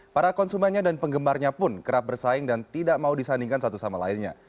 para konsumennya dan penggemarnya pun kerap bersaing dan tidak mau disandingkan satu sama lainnya